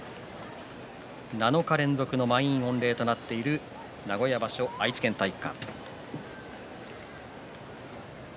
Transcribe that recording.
７日連続の満員御礼となっている名古屋場所、愛知県体育館。